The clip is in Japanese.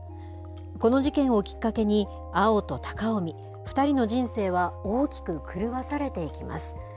この事件をきっかけに、碧と貴臣、２人の人生は大きく狂わされていきます。